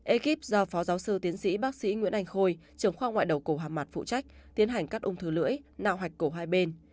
ekip do phó giáo sư tiến sĩ bác sĩ nguyễn anh khôi trưởng khoa ngoại đầu cổ hà mặt phụ trách tiến hành cắt ung thư lưỡi nạo hạch cổ hai bên